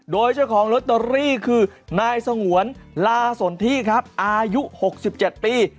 โดยเจ้าของล็อตเตอรี่คือนายสะหวนลาสนที่ครับอายุหกสิบเจ็ดปี